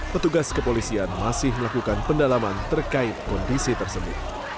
petugas kepolisian masih melakukan pendalaman terkait kondisiannya